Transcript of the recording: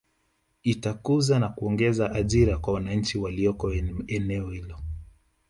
Itakuza na kuongeza ajira kwa wananchi walioko eneo hilo